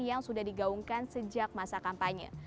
yang sudah digaungkan sejak masa kampanye